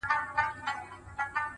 زما د غیرت شمله به کښته ګوري-